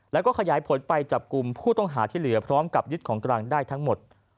แล้วก็ขยายผลไปจับกลุ่มผู้ต้องหาที่เหลือพร้อมกับยึดของกลางได้ทั้งหมด